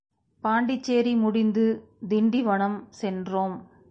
பாண்டிச்சேரி முடிந்து திண்டிவனம் சென்றோம்.